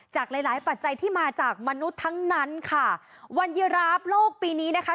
หลายหลายปัจจัยที่มาจากมนุษย์ทั้งนั้นค่ะวันยีราฟโลกปีนี้นะคะ